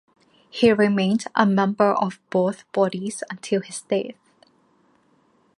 He remained a member of both bodies until his death.